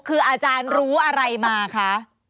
คืออาจารย์รู้อะไรมาคะ